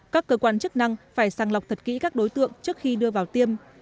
các cơ quan chức năng phải sàng lọc thật kỹ các đối tượng trước khi đưa vào tiêm